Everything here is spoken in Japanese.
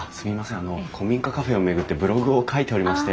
あの古民家カフェを巡ってブログを書いておりまして。